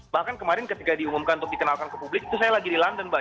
bahkan kemarin ketika diumumkan untuk dikenalkan ke publik itu saya lagi di london mbak